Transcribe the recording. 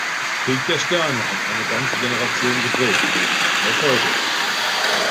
"Krieg der Sterne" hat eine ganze Generation geprägt. Noch heute.